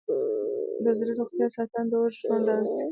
د زړه روغتیا ساتنه د اوږد ژوند راز دی.